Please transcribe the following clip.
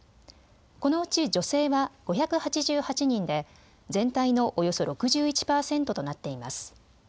このうち女性は５８８人で全体のおよそ６１％となっています。